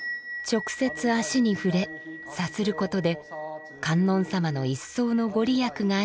直接足に触れさすることで観音様の一層のご利益があるといいます。